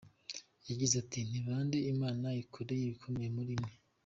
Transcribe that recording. Yagize ati “Ni bande Imana yakoreye ibikomeye muri mwe?